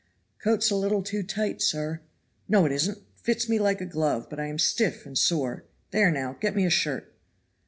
"Coat's a little too tight, sir." "No it isn't it fits me like a glove but I am stiff and sore. There, now, get me a shirt."